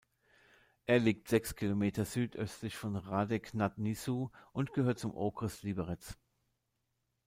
Er liegt sechs Kilometer südöstlich von Hrádek nad Nisou und gehört zum Okres Liberec.